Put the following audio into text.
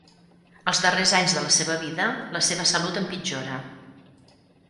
Els darrers anys de la seva vida, la seva salut empitjora.